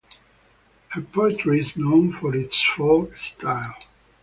Her poetry is known for its folk style.